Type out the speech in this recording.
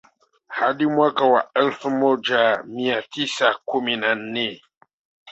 Hadi mwaka wa elfu moja mia tisa kumi na nne